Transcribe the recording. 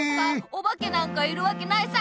おばけなんかいるわけないさ！